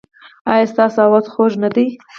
ایا ستاسو اواز خوږ نه دی؟